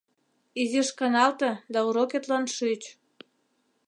— Изиш каналте да урокетлан шич.